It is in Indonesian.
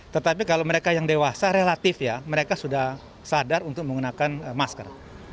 tetapi kalau mereka yang dewasa relatif ya mereka sudah sadar untuk menggunakan masker